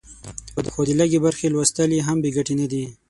خو د لږې برخې لوستل یې هم بې ګټې نه دي.